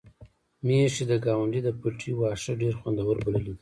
میښې د ګاونډي د پټي واښه ډېر خوندور بللي دي.